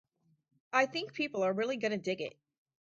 I think people are really gonna dig it.